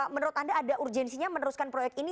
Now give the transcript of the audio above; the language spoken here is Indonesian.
menurut anda ada urgensinya meneruskan proyek ini